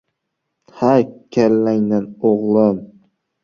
Ha, kallangdan, o‘g‘lim".